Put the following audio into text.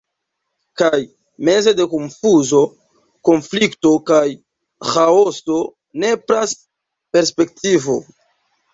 Kaj, meze de konfuzo, konflikto kaj ĥaoso, nepras perspektivo.